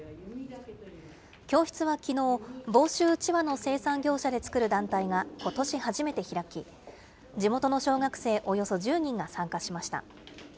教室はきのう、房州うちわの生産業者で作る団体が、ことし初めて開き、地元の小学生およそ１０人が参加しました。